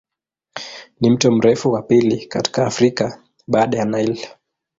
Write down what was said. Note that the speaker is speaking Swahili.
Ni mto mrefu wa pili katika Afrika baada ya Nile.